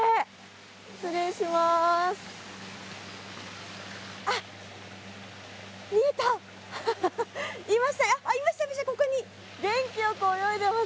失礼します。